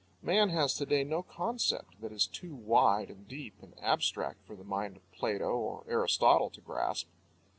Man has to day no concept that is too wide and deep and abstract for the mind of Plato or Aristotle to grasp.